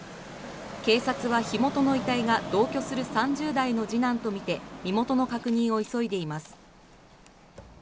警察は火元の遺体が同居する３０代の次男とみて身元の確認を急いでいます。